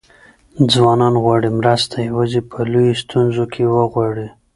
ځوانان غواړي مرسته یوازې په لویو ستونزو کې وغواړي.